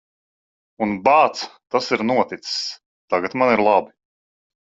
Un, bāc, tas ir noticis. Tagad man ir labi.